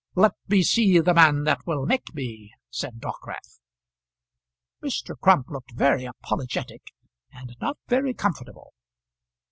"Let me see the man that will make me," said Dockwrath. Mr. Crump looked very apologetic and not very comfortable.